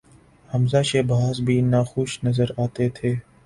حمزہ شہباز بھی ناخوش نظر آتے تھے۔